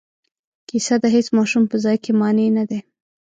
کیسه د هیڅ ماشوم په ځای کې مانع نه دی.